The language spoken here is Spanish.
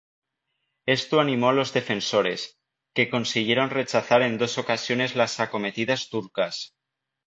Esto animó a los defensores, que consiguieron rechazar en dos ocasiones las acometidas turcas.